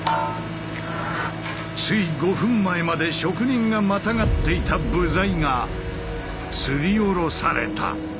つい５分前まで職人がまたがっていた部材がつり下ろされた。